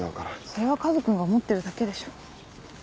それはカズくんが思ってるだけでしょ。